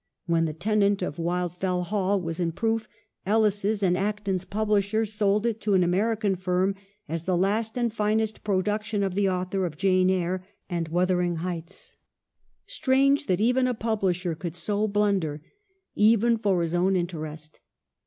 When the ' Tenant of Wildfell Hall ' was in proof, Ellis's and Acton's publisher sold it to an American firm as the last and finest produc tion of the author of ' Jane Eyre and ' Wuther ing Heights.' Strange, that even a publisher could so blunder, even for his own interest.